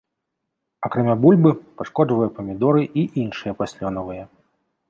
Акрамя бульбы, пашкоджвае памідоры і іншыя паслёнавыя.